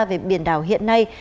về biển đảo hiện nay